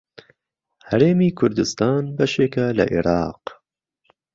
هەرێمی کوردستان بەشێکە لە عێراق.